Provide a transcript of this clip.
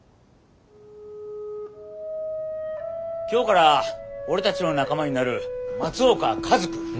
今日から俺たちの仲間になる松岡一くん。